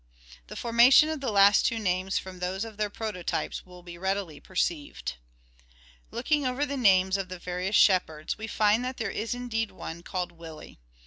The formation of the last two names from those of their prototypes will be readily perceived. Looking over the names of the various " shepherds," we find that there is indeed one called " Willie."